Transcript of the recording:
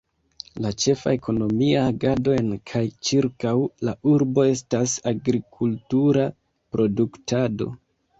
La ĉefa ekonomia agado en kaj ĉirkaŭ la urbo estas agrikultura produktado.